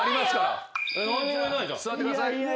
座ってください。